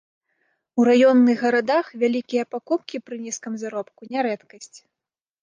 У раённых гарадах вялікія пакупкі пры нізкім заробку не рэдкасць.